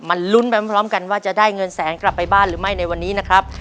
ลุ้นไปพร้อมกันว่าจะได้เงินแสนกลับไปบ้านหรือไม่ในวันนี้นะครับ